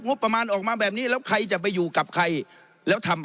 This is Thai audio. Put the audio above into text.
ประมาณออกมาแบบนี้แล้วใครจะไปอยู่กับใครแล้วทำ